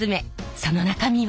その中身は。